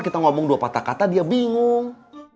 kita ngomong dua patah kata dia bingung